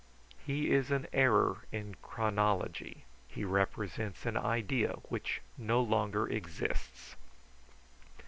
"He is an error in chronology. He represents an idea which no longer exists."